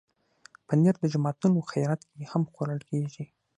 پنېر د جوماتونو خیرات کې هم خوړل کېږي.